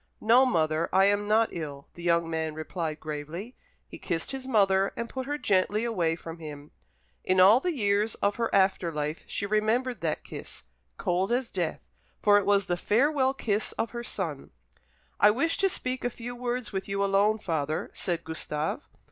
"No, mother, I am not ill," the young man replied gravely. He kissed his mother, and put her gently away from him. In all the years of her after life she remembered that kiss, cold as death, for it was the farewell kiss of her son. "I wish to speak a few words with you alone, father," said Gustave.